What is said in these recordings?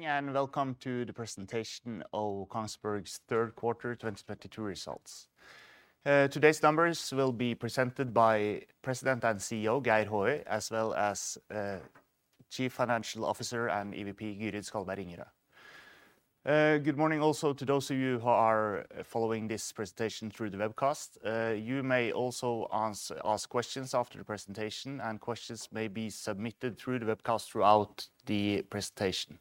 Welcome to the presentation of KONGSBERG's Third Quarter 2022 Rresults. Today's numbers will be presented by President and CEO Geir Håøy, as well as Chief Financial Officer and EVP, Gyrid Skalleberg Ingerø. Good morning also to those of you who are following this presentation through the webcast. You may also ask questions after the presentation, and questions may be submitted through the webcast throughout the presentation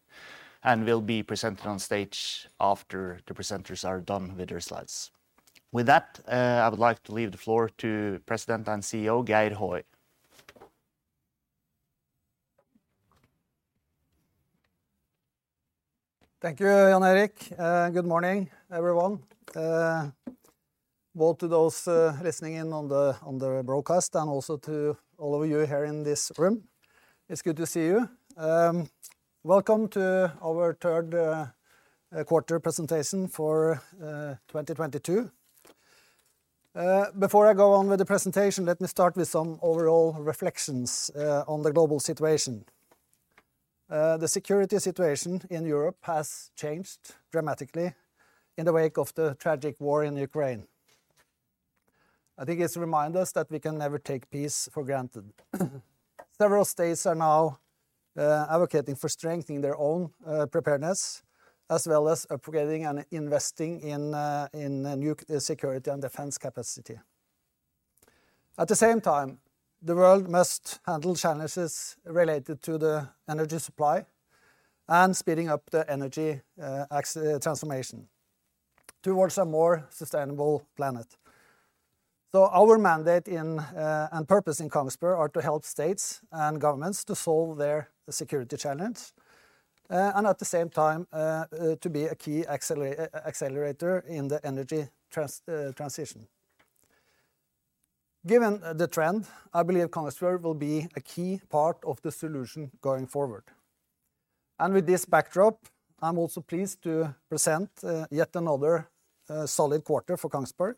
and will be presented on stage after the presenters are done with their slides. With that, I would like to leave the floor to President and CEO Geir Håøy. Thank you, Jan Erik. Good morning, everyone. Both to those listening in on the broadcast and also to all of you here in this room. It's good to see you. Welcome to our third quarter presentation for 2022. Before I go on with the presentation, let me start with some overall reflections on the global situation. The security situation in Europe has changed dramatically in the wake of the tragic war in Ukraine. I think it's a reminder to us that we can never take peace for granted. Several states are now advocating for strengthening their own preparedness as well as upgrading and investing in a new security and defense capacity. At the same time, the world must handle challenges related to the energy supply and speeding up the energy transformation towards a more sustainable planet. Our mandate in and purpose in KONGSBERG are to help states and governments to solve their security challenge and at the same time to be a key accelerator in the energy transition. Given the trend, I believe KONGSBERG will be a key part of the solution going forward. With this backdrop, I'm also pleased to present yet another solid quarter for KONGSBERG,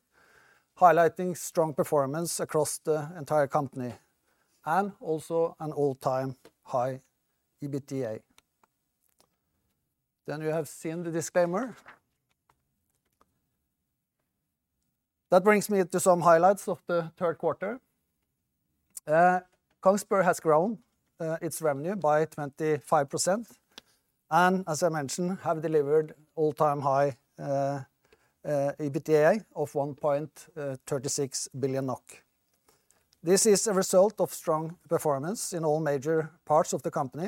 highlighting strong performance across the entire company and also an all-time high EBITDA. You have seen the disclaimer. That brings me to some highlights of the third quarter. KONGSBERG has grown its revenue by 25% and, as I mentioned, have delivered all-time high EBITDA of 1.36 billion NOK. This is a result of strong performance in all major parts of the company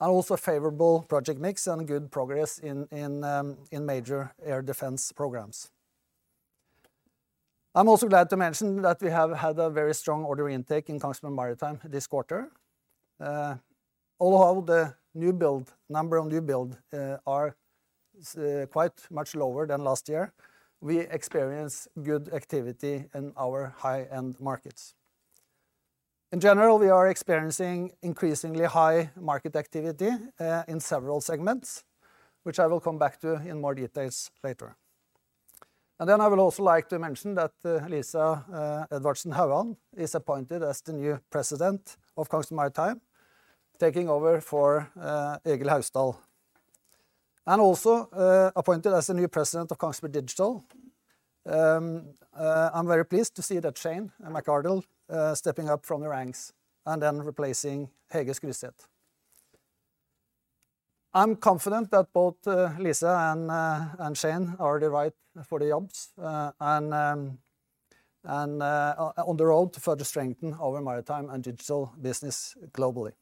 and also a favorable project mix and good progress in major air defense programs. I'm also glad to mention that we have had a very strong order intake in Kongsberg Maritime this quarter. Although the number of new build are quite much lower than last year, we experience good activity in our high-end markets. In general, we are experiencing increasingly high market activity in several segments, which I will come back to in more details later. I would also like to mention that Lisa Edvardsen Haugan is appointed as the new president of Kongsberg Maritime, taking over for Egil Haugsdal, and also appointed as the new president of Kongsberg Digital. I'm very pleased to see that Shane McArdle stepping up from the ranks and then replacing Hege Skryseth. I'm confident that both Lisa and Shane are the right for the jobs, and on the road to further strengthen our maritime and digital business globally.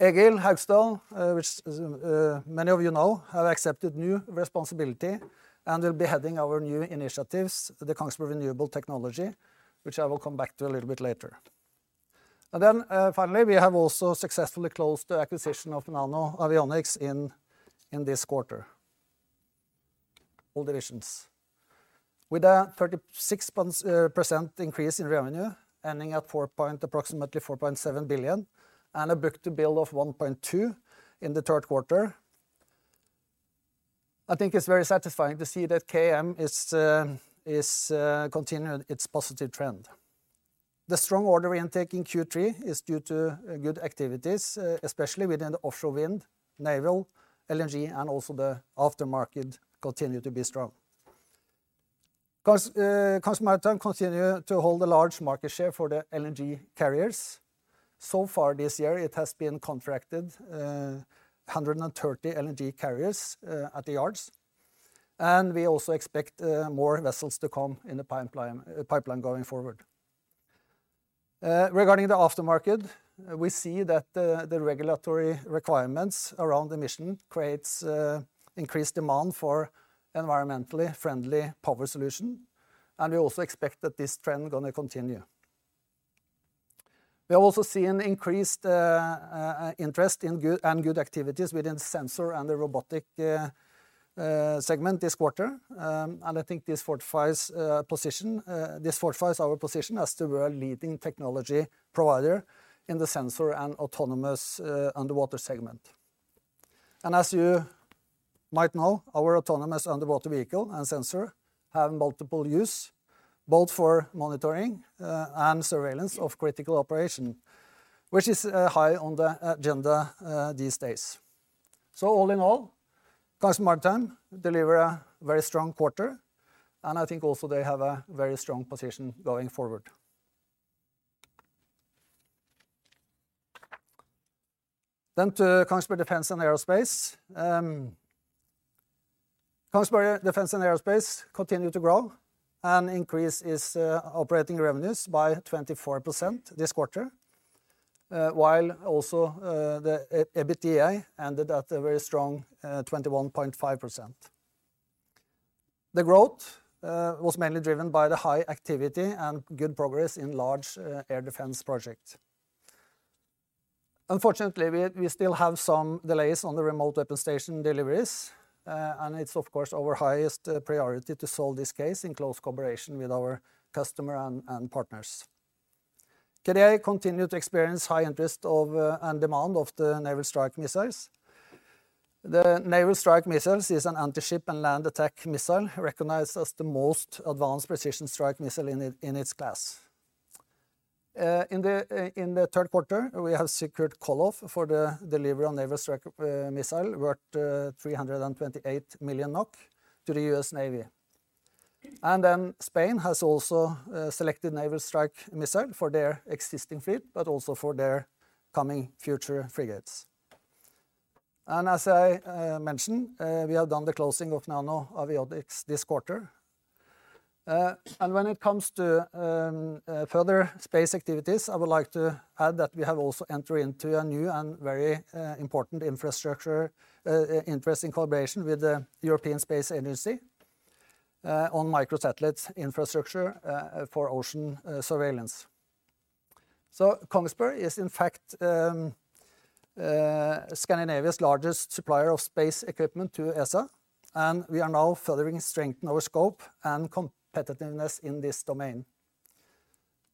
Egil Haugsdal, which many of you know, have accepted new responsibility and will be heading our new initiatives, the Kongsberg Renewable Technologies, which I will come back to a little bit later. Finally, we have also successfully closed the acquisition of NanoAvionics in this quarter. All divisions. With a 36% increase in revenue, ending at approximately 4.7 billion, and a book-to-bill of 1.2 in the third quarter, I think it's very satisfying to see that KM is continuing its positive trend. The strong order intake in Q3 is due to good activities, especially within the offshore wind, naval, LNG, and also the aftermarket continue to be strong. Kongsberg Maritime continue to hold a large market share for the LNG carriers. So far this year, it has been contracted 130 LNG carriers at the yards, and we also expect more vessels to come in the pipeline going forward. Regarding the aftermarket, we see that the regulatory requirements around emissions creates an increased demand for environmentally friendly power solutions, and we also expect that this trend gonna continue. We have also seen increased interest in R&D activities within sensors and the robotics segment this quarter. I think this fortifies our position as the world-leading technology provider in the sensors and autonomous underwater segment. Right now, our autonomous underwater vehicle and sensors have multiple uses both for monitoring and surveillance of critical operations, which is high on the agenda these days. All in all, Kongsberg Maritime deliver a very strong quarter, and I think also they have a very strong position going forward. To Kongsberg Defence & Aerospace. Kongsberg Defence & Aerospace continue to grow and increase its operating revenues by 24% this quarter. While also the EBITDA ended at a very strong 21.5%. The growth was mainly driven by the high activity and good progress in large air defense project. Unfortunately, we still have some delays on the Remote Weapon Station deliveries. It's of course our highest priority to solve this case in close cooperation with our customer and partners. KDA continue to experience high interest of and demand of the Naval Strike Missiles. The Naval Strike Missiles is an anti-ship and land attack missile recognized as the most advanced precision Strike Missile in its class. In the third quarter, we have secured call off for the delivery of Naval Strike Missile worth 328 million NOK to the U.S. Navy. Spain has also selected Naval Strike Missile for their existing fleet, but also for their coming future frigates. As I mentioned, we have done the closing of NanoAvionics this quarter. When it comes to further space activities, I would like to add that we have also enter into a new and very important infrastructure in collaboration with the European Space Agency on micro satellites infrastructure for ocean surveillance. KONGSBERG is in fact Scandinavia's largest supplier of space equipment to ESA, and we are now furthering strengthening our scope and competitiveness in this domain.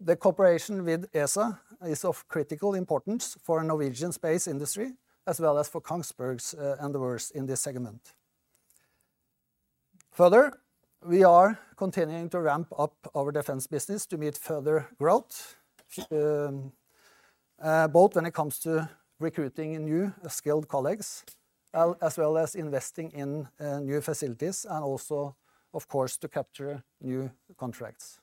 The cooperation with ESA is of critical importance for Norwegian space industry, as well as for KONGSBERG's endeavors in this segment. Further, we are continuing to ramp up our defense business to meet further growth, both when it comes to recruiting new skilled colleagues, as well as investing in new facilities and also, of course, to capture new contracts.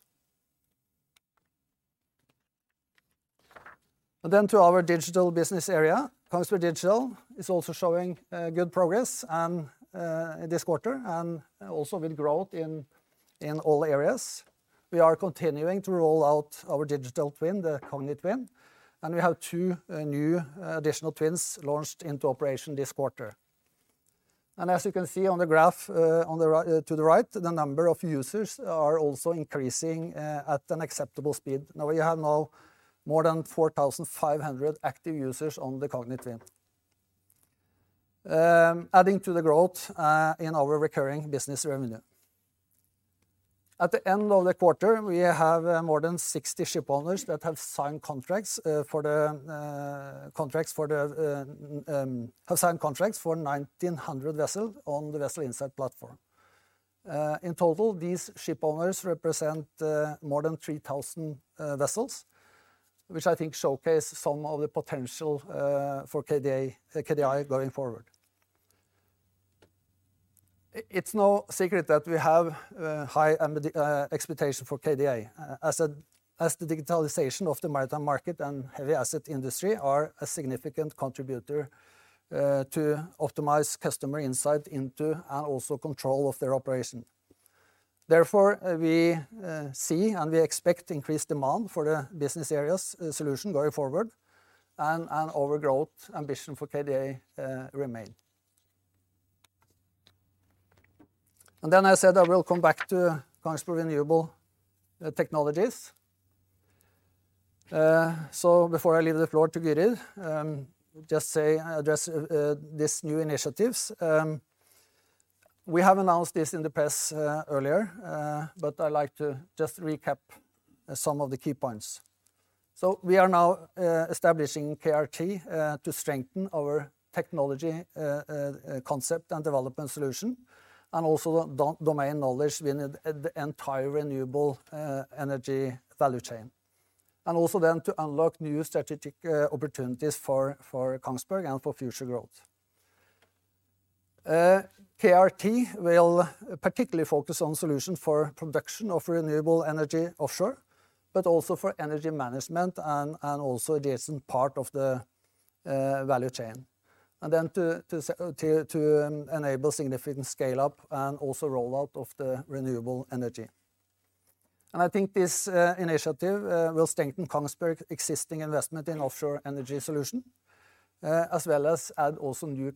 To our digital business area, Kongsberg Digital is also showing good progress and this quarter, and also with growth in all areas. We are continuing to roll out our digital twin, the Kognitwin, and we have two new additional twins launched into operation this quarter. As you can see on the graph to the right, the number of users are also increasing at an acceptable speed. Now, we have more than 4,500 active users on the Kognitwin. Adding to the growth in our recurring business revenue. At the end of the quarter, we have more than 60 ship owners that have signed contracts for 1,900 vessels on the Vessel Insight platform. In total, these ship owners represent more than 3,000 vessels, which I think showcase some of the potential for KDA, KDI going forward. It's no secret that we have high expectation for KDI as the digitalization of the maritime market and heavy asset industry are a significant contributor to optimize customer insight into and also control of their operation. Therefore, we see and we expect increased demand for the business areas solution going forward and our growth ambition for KDI remain. I said I will come back to Kongsberg Renewable Technologies. Before I leave the floor to Gyrid, just to address these new initiatives. We have announced this in the press earlier, but I like to just recap some of the key points. We are now establishing KRT to strengthen our technology concept and development solution, and also domain knowledge within the entire renewable energy value chain. Also to unlock new strategic opportunities for KONGSBERG and for future growth. KRT will particularly focus on solution for production of renewable energy offshore, but also for energy management and also adjacent part of the value chain. To enable significant scale-up and also rollout of the renewable energy. I think this initiative will strengthen KONGSBERG's existing investment in offshore energy solution, as well as add also new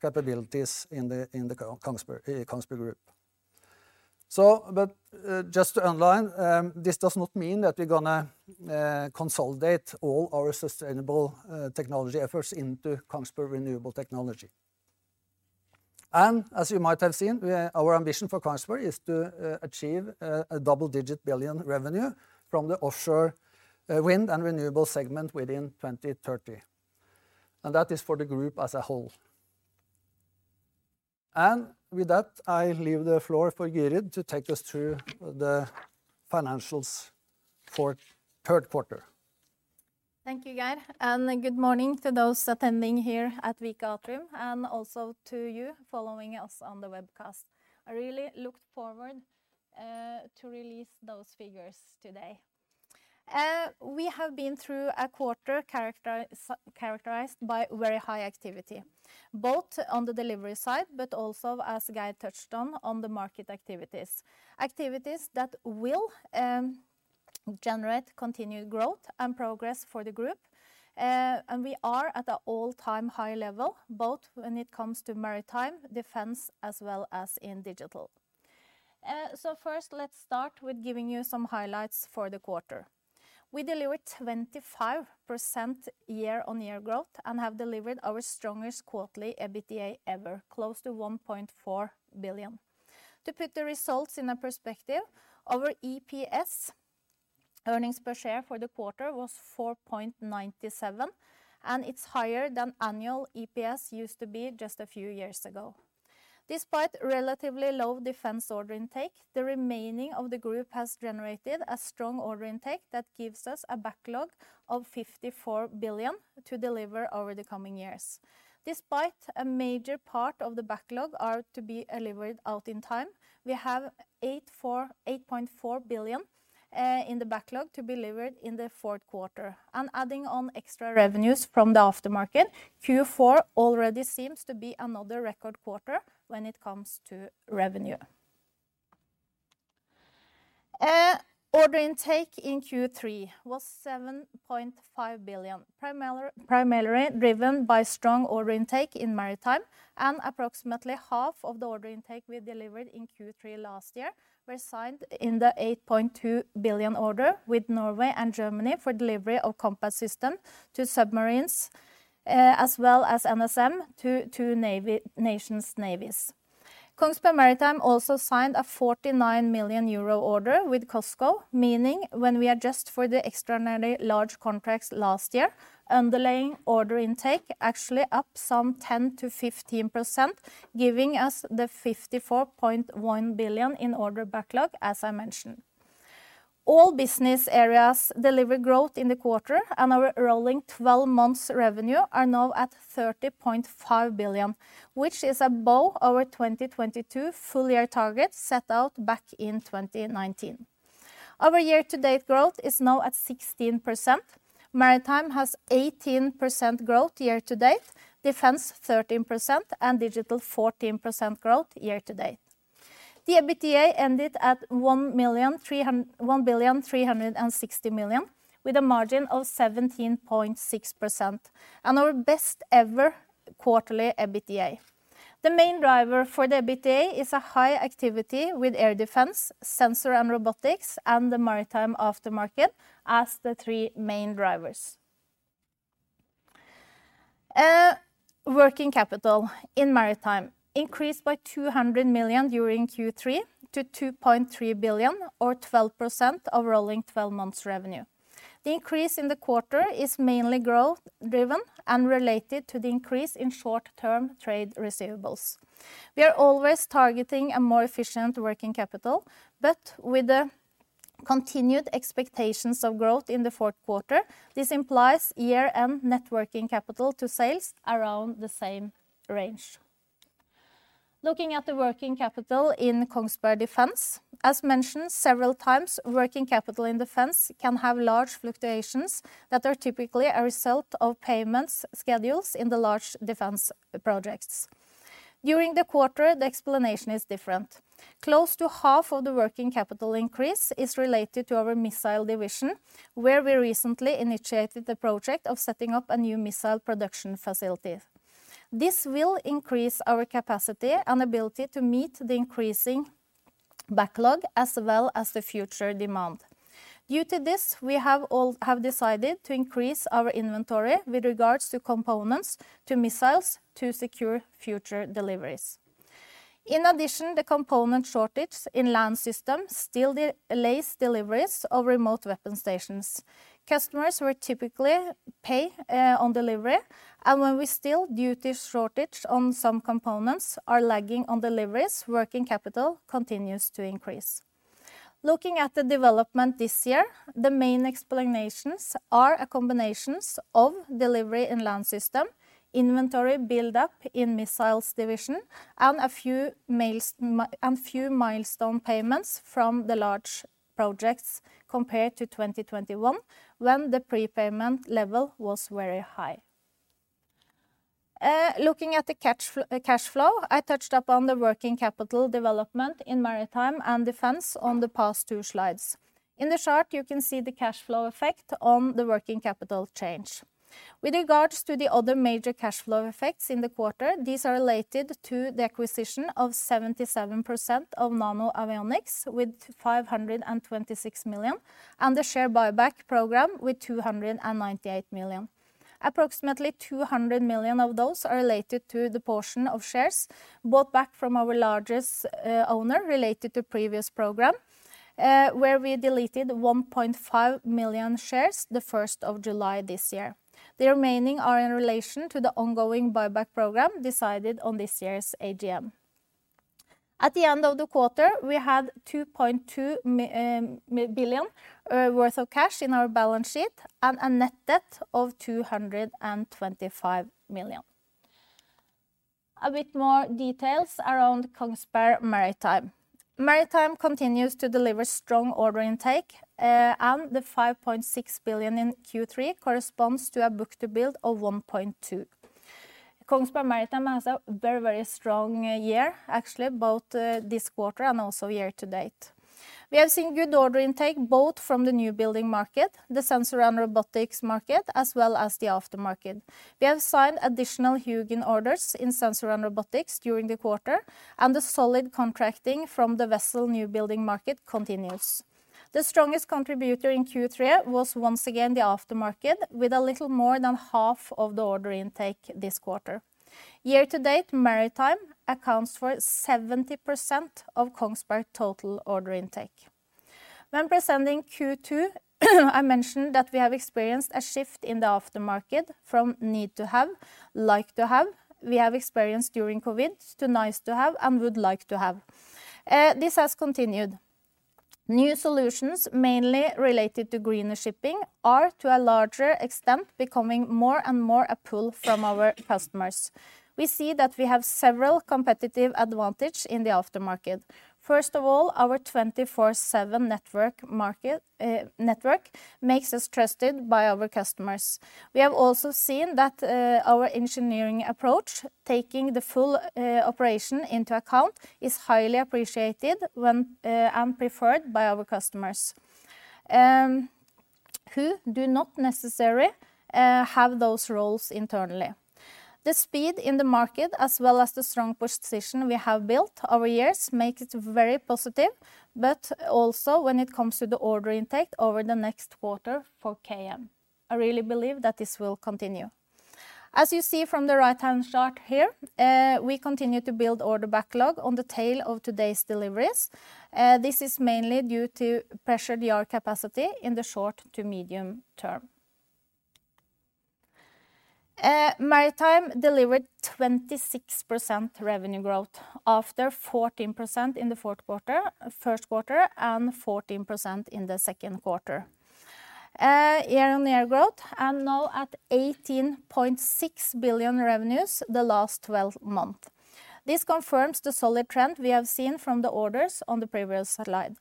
capabilities in the Kongsberg Gruppen. Just to underline, this does not mean that we're gonna consolidate all our sustainable technology efforts into Kongsberg Renewables Technologies. As you might have seen, our ambition for KONGSBERG is to achieve a double-digit billion NOK revenue from the offshore wind and renewable segment within 2030. That is for the group as a whole. With that, I leave the floor for Gyrid to take us through the financials for third quarter. Thank you, Geir. Good morning to those attending here at Vika Atrium and also to you following us on the webcast. I really looked forward to release those figures today. We have been through a quarter characterized by very high activity, both on the delivery side, but also, as Geir touched on the market activities. Activities that will generate continued growth and progress for the group. We are at an all-time high level, both when it comes to maritime, defense, as well as in digital. First let's start with giving you some highlights for the quarter. We delivered 25% year-on-year growth and have delivered our strongest quarterly EBITDA ever, close to 1.4 billion. To put the results in a perspective, our EPS, earnings per share, for the quarter was 4.97, and it's higher than annual EPS used to be just a few years ago. Despite relatively low defense order intake, the remaining of the group has generated a strong order intake that gives us a backlog of 54 billion to deliver over the coming years. Despite a major part of the backlog are to be delivered over time, we have 8.4 billion in the backlog to be delivered in the fourth quarter. Adding on extra revenues from the aftermarket, Q4 already seems to be another record quarter when it comes to revenue. Order intake in Q3 was 7.5 billion, primarily driven by strong order intake in Maritime and approximately half of the order intake we delivered in Q3 last year were signed in the 8.2 billion order with Norway and Germany for delivery of combat system to submarines, as well as NSM to nations' navies. Kongsberg Maritime also signed a 49 million euro order with COSCO, meaning when we adjust for the extraordinary large contracts last year, underlying order intake actually up some 10%-15%, giving us the 54.1 billion in order backlog, as I mentioned. All business areas deliver growth in the quarter, and our rolling 12 months revenue are now at 30.5 billion, which is above our 2022 full-year targets set out back in 2019. Our year-to-date growth is now at 16%. Maritime has 18% growth year to date, Defense 13%, and Digital 14% growth year to date. The EBITDA ended at 1.36 billion with a margin of 17.6% and our best ever quarterly EBITDA. The main driver for the EBITDA is a high activity with air defense, sensor and robotics, and the maritime aftermarket as the three main drivers. Working capital in Maritime increased by 200 million during Q3 to 2.3 billion or 12% of rolling 12 months revenue. The increase in the quarter is mainly growth-driven and related to the increase in short-term trade receivables. We are always targeting a more efficient working capital, but with the continued expectations of growth in the fourth quarter, this implies year-end net working capital to sales around the same range. Looking at the working capital in Kongsberg Defence, as mentioned several times, working capital in Defence can have large fluctuations that are typically a result of payment schedules in the large defence projects. During the quarter, the explanation is different. Close to half of the working capital increase is related to our Missile Division, where we recently initiated the project of setting up a new missile production facility. This will increase our capacity and ability to meet the increasing backlog as well as the future demand. Due to this, we have decided to increase our inventory with regards to components to missiles to secure future deliveries. In addition, the component shortage in Land Systems still delays deliveries of Remote Weapon Stations. Customers will typically pay on delivery and when we still, due to shortage on some components, are lagging on deliveries, working capital continues to increase. Looking at the development this year, the main explanations are a combination of delivery in Land system, inventory buildup in Missiles division, and a few milestone payments from the large projects compared to 2021, when the prepayment level was very high. Looking at the cash flow, I touched upon the working capital development in Maritime and Defense on the past two slides. In the chart, you can see the cash flow effect on the working capital change. With regards to the other major cash flow effects in the quarter, these are related to the acquisition of 77% of NanoAvionics with 526 million and the share buyback program with 298 million. Approximately 200 million of those are related to the portion of shares bought back from our largest owner related to previous program. Where we deleted 1.5 million shares the first of July this year. The remaining are in relation to the ongoing buyback program decided on this year's AGM. At the end of the quarter, we had 2.2 billion worth of cash in our balance sheet and a net debt of 225 million. A bit more details around Kongsberg Maritime. Maritime continues to deliver strong order intake, and the 5.6 billion in Q3 corresponds to a book-to-bill of 1.2. Kongsberg Maritime has a very, very strong year, actually, both this quarter and also year to date. We have seen good order intake both from the new building market, the sensor and robotics market, as well as the aftermarket. We have signed additional HUGIN orders in sensor and robotics during the quarter, and the solid contracting from the vessel new building market continues. The strongest contributor in Q3 was once again the aftermarket with a little more than half of the order intake this quarter. Year-to-date, Maritime accounts for 70% of KONGSBERG total order intake. When presenting Q2, I mentioned that we have experienced a shift in the aftermarket from need to have, like to have, we have experienced during COVID, to nice to have and would like to have. This has continued. New solutions, mainly related to greener shipping are, to a larger extent, becoming more and more a pull from our customers. We see that we have several competitive advantage in the aftermarket. First of all, our 24/7 network makes us trusted by our customers. We have also seen that, our engineering approach, taking the full operation into account, is highly appreciated and preferred by our customers, who do not necessarily have those roles internally. The speed in the market as well as the strong position we have built over years makes it very positive, but also when it comes to the order intake over the next quarter for KM, I really believe that this will continue. As you see from the right-hand chart here, we continue to build order backlog on the tail of today's deliveries. This is mainly due to pressured yard capacity in the short to medium term. Maritime delivered 26% revenue growth after 14% in the fourth quarter, first quarter and 14% in the second quarter. Year-on-year growth and now at 18.6 billion in revenues the last 12 months. This confirms the solid trend we have seen from the orders on the previous slide.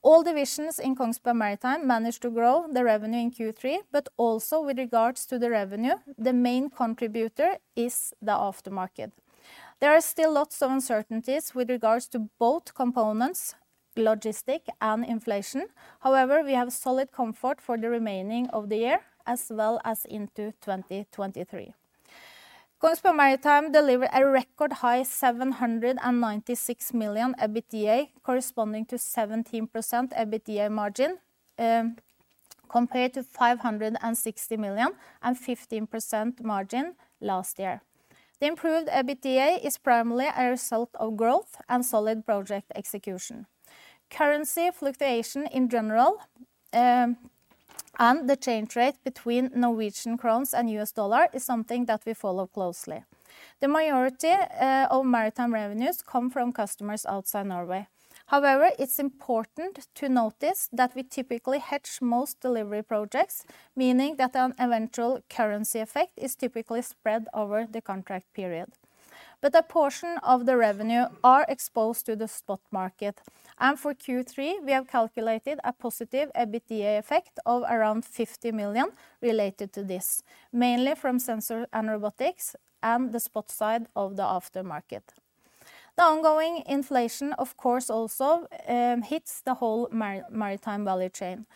All divisions in Kongsberg Maritime managed to grow the revenue in Q3, but also with regards to the revenue, the main contributor is the aftermarket. There are still lots of uncertainties with regards to both components, logistics and inflation. However, we have solid comfort for the remaining of the year as well as into 2023. Kongsberg Maritime delivered a record high 796 million EBITDA corresponding to 17% EBITDA margin, compared to 560 million and 15% margin last year. The improved EBITDA is primarily a result of growth and solid project execution. Currency fluctuation in general, and the change rate between Norwegian crowns and U.S. dollar is something that we follow closely. The majority of Maritime revenues come from customers outside Norway. However, it's important to notice that we typically hedge most delivery projects, meaning that an eventual currency effect is typically spread over the contract period. A portion of the revenue are exposed to the spot market. For Q3, we have calculated a positive EBITDA effect of around 50 million related to this, mainly from sensor and robotics and the spot side of the aftermarket. The ongoing inflation, of course, also hits the whole Maritime value chain.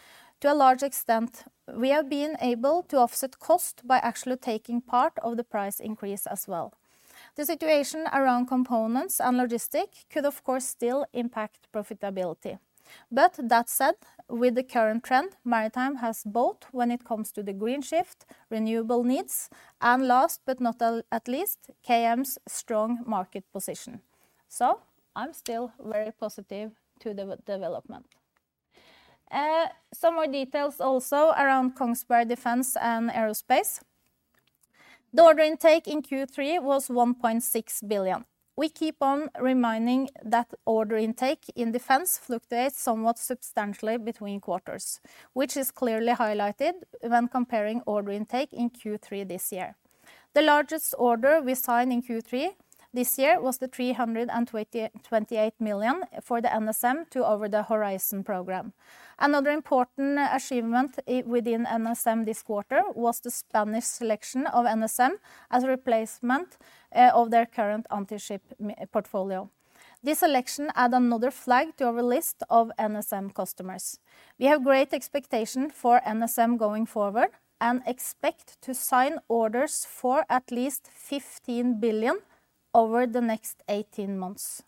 To a large extent, we have been able to offset cost by actually taking part of the price increase as well. The situation around components and logistics could of course still impact profitability. That said, with the current trend, Maritime has both when it comes to the green shift, renewable needs, and last but not least, KM's strong market position. I'm still very positive to the development. Some more details also around Kongsberg Defence & Aerospace. The order intake in Q3 was 1.6 billion. We keep on reminding that order intake in Defence fluctuates somewhat substantially between quarters, which is clearly highlighted when comparing order intake in Q3 this year. The largest order we signed in Q3 this year was the 328 million for the NSM to Over-the-Horizon Weapon System program. Another important achievement within NSM this quarter was the Spanish selection of NSM as a replacement, of their current anti-ship missile portfolio. This selection adds another flag to our list of NSM customers. We have great expectation for NSM going forward and expect to sign orders for at least 15 billion over the next 18 months.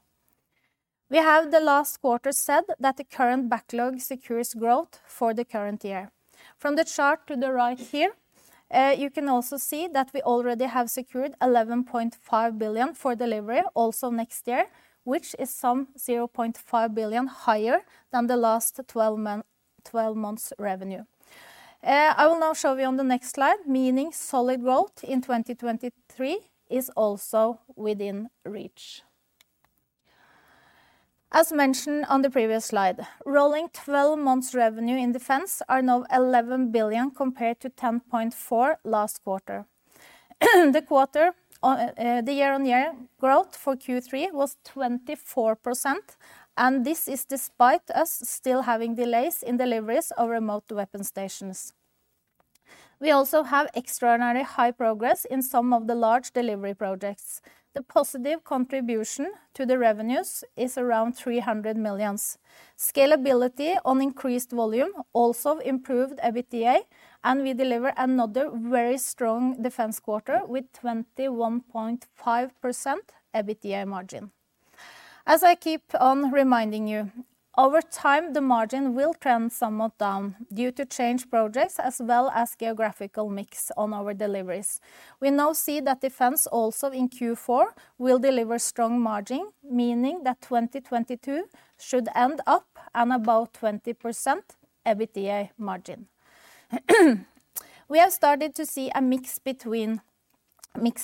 We have the last quarter said that the current backlog secures growth for the current year. From the chart to the right here, you can also see that we already have secured 11.5 billion for delivery also next year, which is some 0.5 billion higher than the last 12 months revenue. I will now show you on the next slide, meaning solid growth in 2023 is also within reach. As mentioned on the previous slide, rolling 12 months revenue in defense are now 11 billion compared to 10.4 last quarter. The quarter on, the year-on-year growth for Q3 was 24%, and this is despite us still having delays in deliveries of Remote Weapon Station. We also have extraordinary high progress in some of the large delivery projects. The positive contribution to the revenues is around 300 million. Scalability on increased volume also improved EBITDA, and we deliver another very strong defense quarter with 21.5% EBITDA margin. As I keep on reminding you, over time the margin will trend somewhat down due to change projects as well as geographical mix on our deliveries. We now see that defense also in Q4 will deliver strong margin, meaning that 2022 should end up and about 20% EBITDA margin. We have started to see a mix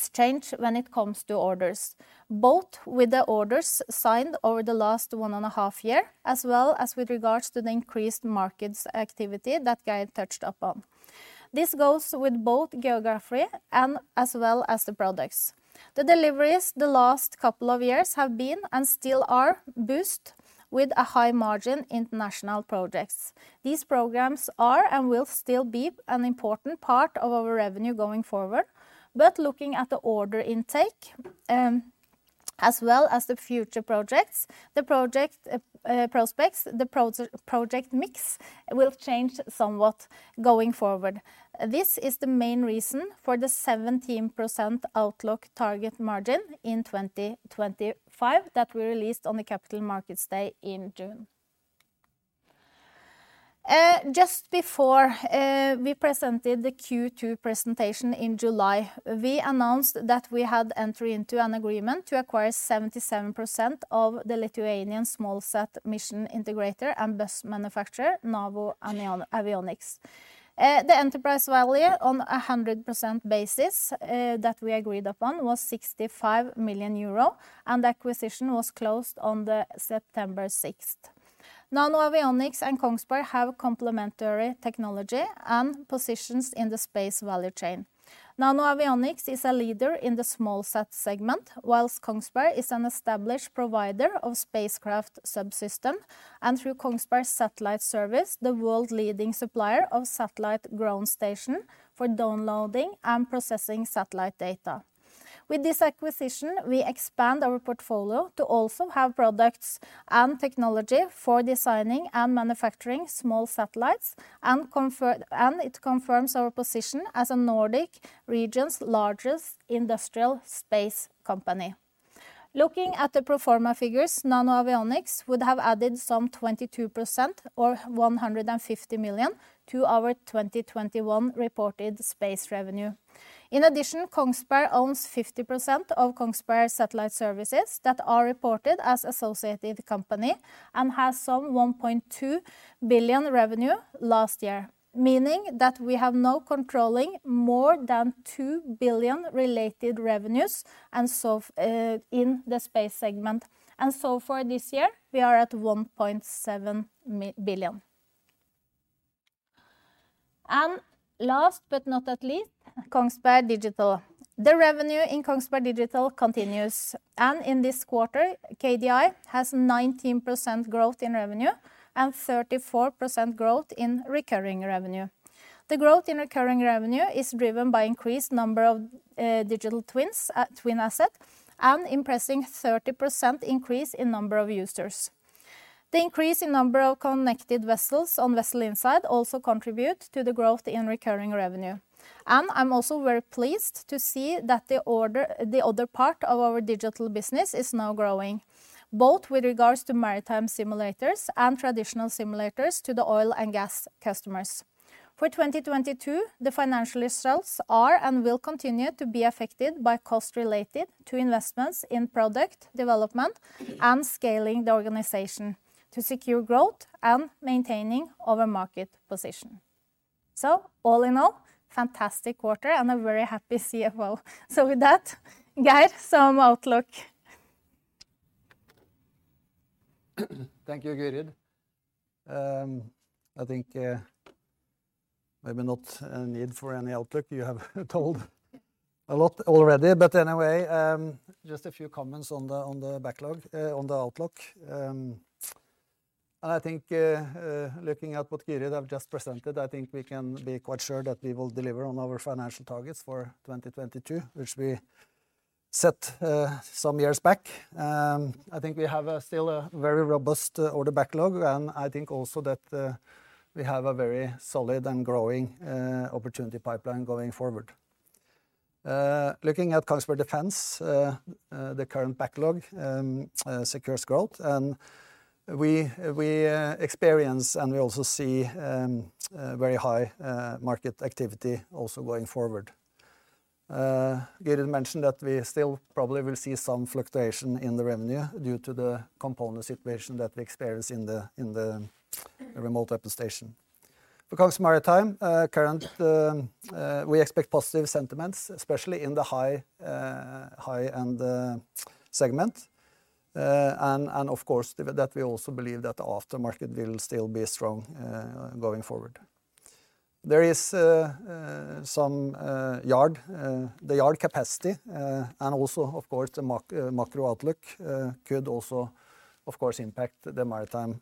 change when it comes to orders, both with the orders signed over the last 1.5 years, as well as with regard to the increased market activity that Geir touched upon. This goes with both geography and as well as the products. The deliveries the last couple of years have been and still are boosted with high-margin international projects. These programs are and will still be an important part of our revenue going forward. Looking at the order intake, as well as the future projects, the prospects, the project mix will change somewhat going forward. This is the main reason for the 17% outlook target margin in 2025 that we released on the Capital Markets Day in June. Just before we presented the Q2 presentation in July, we announced that we entered into an agreement to acquire 77% of the Lithuanian smallsat mission integrator and bus manufacturer, NanoAvionics. The enterprise value on a 100% basis that we agreed upon was 65 million euro, and the acquisition was closed on September 6th. NanoAvionics and KONGSBERG have complementary technology and positions in the space value chain. NanoAvionics is a leader in the smallsat segment, while KONGSBERG is an established provider of spacecraft subsystem, and through Kongsberg Satellite Services, the world-leading supplier of satellite ground station for downloading and processing satellite data. With this acquisition, we expand our portfolio to also have products and technology for designing and manufacturing small satellites, and it confirms our position as the Nordic region's largest industrial space company. Looking at the pro forma figures, NanoAvionics would have added some 22% or 150 million to our 2021 reported space revenue. In addition, KONGSBERG owns 50% of Kongsberg Satellite Services that are reported as associated company and has some 1.2 billion revenue last year, meaning that we have now controlling more than 2 billion related revenues, and so in the space segment. So far this year, we are at 1.7 billion. Last but not least, Kongsberg Digital. The revenue in Kongsberg Digital continues, and in this quarter, KDI has 19% growth in revenue and 34% growth in recurring revenue. The growth in recurring revenue is driven by increased number of digital twins at Twin of the Asset and impressive 30% increase in number of users. The increase in number of connected vessels on Vessel Insight also contribute to the growth in recurring revenue. I'm also very pleased to see that the order, the other part of our digital business is now growing, both with regards to maritime simulators and traditional simulators to the oil and gas customers. For 2022, the financial results are and will continue to be affected by cost related to investments in product development and scaling the organization to secure growth and maintaining our market position. All in all, fantastic quarter and a very happy CFO. With that, Geir Håøy, some outlook. Thank you, Gyrid. I think maybe no need for any outlook you have told a lot already. Anyway, just a few comments on the backlog, on the outlook. I think looking at what Gyrid have just presented, I think we can be quite sure that we will deliver on our financial targets for 2022, which we set some years back. I think we still have a very robust order backlog, and I think also that we have a very solid and growing opportunity pipeline going forward. Looking at Kongsberg Defence, the current backlog secures growth, and we experience, and we also see very high market activity also going forward. Geir mentioned that we still probably will see some fluctuation in the revenue due to the component situation that we experience in the remote operation. Because Maritime, currently, we expect positive sentiments, especially in the high-end segment. Of course, that we also believe that the aftermarket will still be strong going forward. There is some yard capacity, and also of course the macro outlook could also of course impact the Maritime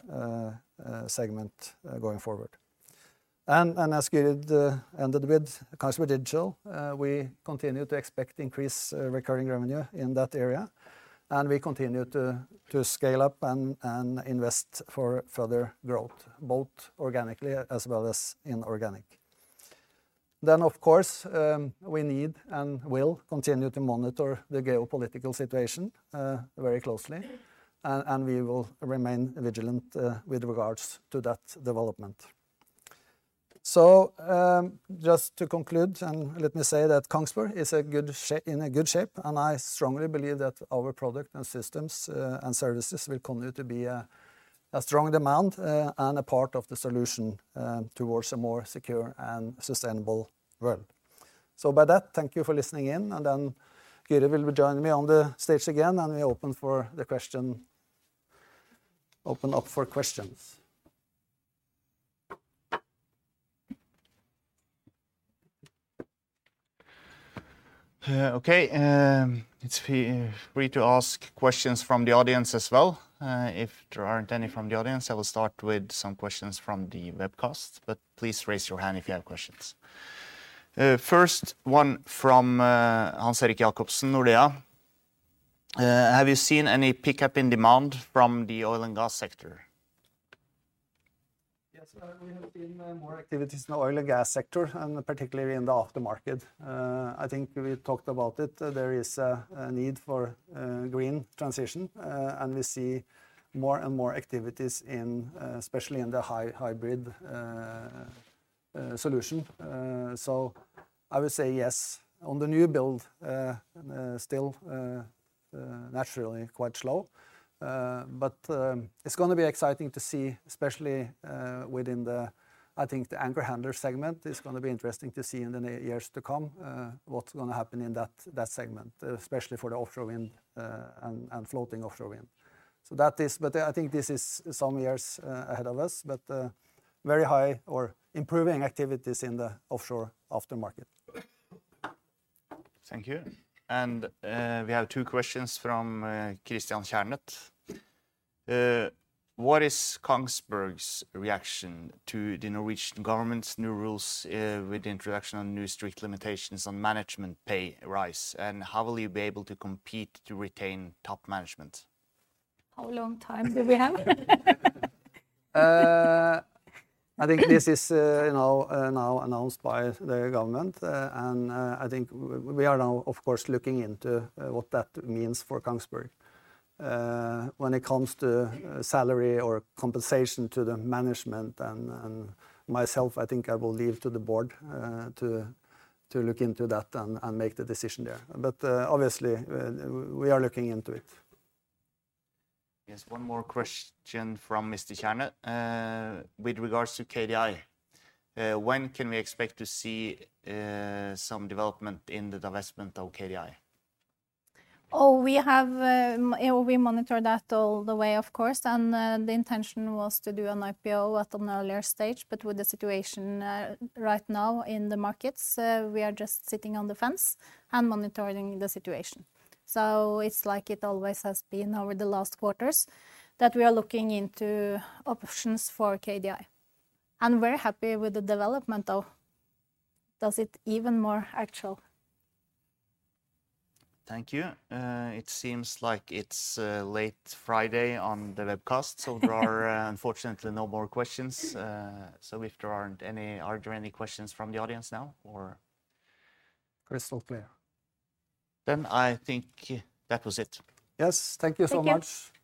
segment going forward. As Geir did end with Kongsberg Digital, we continue to expect increased recurring revenue in that area, and we continue to scale up and invest for further growth, both organically as well as inorganic. Of course, we need and will continue to monitor the geopolitical situation very closely, and we will remain vigilant with regards to that development. Just to conclude, let me say that KONGSBERG is in a good shape, and I strongly believe that our product and systems and services will continue to be in strong demand and a part of the solution towards a more secure and sustainable world. By that, thank you for listening in, and then Geir will be joining me on the stage again, and we open for the question. Open up for questions. Okay. It's free to ask questions from the audience as well. If there aren't any from the audience, I will start with some questions from the webcast, but please raise your hand if you have questions. First one from Hans Eric Jacobsen, Nordea. Have you seen any pickup in demand from the oil and gas sector? Yes. We have seen more activities in the oil and gas sector, and particularly in the aftermarket. I think we talked about it. There is a need for green transition, and we see more and more activities in, especially in the hybrid solution. I would say yes. On the new build, still naturally quite slow. It's gonna be exciting to see, especially within the, I think the anchor handler segment is gonna be interesting to see in the next years to come, what's gonna happen in that segment, especially for the offshore wind, and floating offshore wind. That is. I think this is some years ahead of us, but very high or improving activities in the offshore aftermarket. Thank you. We have two questions from Christian Stjern. What is KONGSBERG's reaction to the Norwegian government's new rules with the introduction of new strict limitations on management pay raise, and how will you be able to compete to retain top management? How long time do we have? I think this is, you know, now announced by the government, and I think we are now of course looking into what that means for KONGSBERG. When it comes to salary or compensation to the management and myself, I think I will leave to the board to look into that and make the decision there. Obviously we are looking into it. Yes. One more question from Mr. Stjern. With regards to KDI, when can we expect to see some development in the divestment of KDI? We monitor that all the way, of course, and the intention was to do an IPO at an earlier stage, but with the situation right now in the markets, we are just sitting on the fence and monitoring the situation. It's like it always has been over the last quarters that we are looking into options for KDI. We're happy with the development of KDI. Thank you. It seems like it's late Friday on the webcast, so there are unfortunately no more questions. If there aren't any, are there any questions from the audience now, or? Crystal clear. I think that was it. Yes. Thank you so much. Thank you.